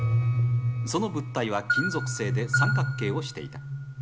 その物体は金属製で三角形をしていた。